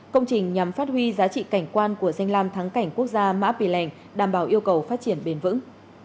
công trình nhằm phát huy giá trị cảnh quan của danh lam thắng cảnh quốc gia mã pì lèng đảm bảo yêu cầu phát triển bền vững